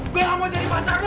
gue gak mau jadi pacar lo